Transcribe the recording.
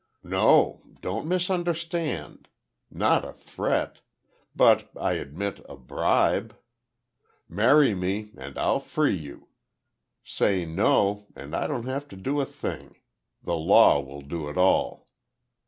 "No; don't misunderstand. Not a threat. But I admit, a bribe. Marry me, and I'll free you. Say no—and I don't have to do a thing. The law will do it all.